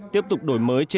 tiếp tục đổi mới